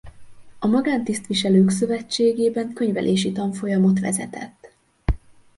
A Magántisztviselők Szövetségében könyvelési tanfolyamot vezetett.